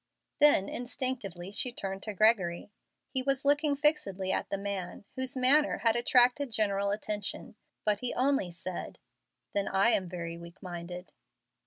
Then, instinctively, she turned to Gregory. He was looking fixedly at the man, whose manner had attracted general attention. But he only said, "Then I am very weak minded."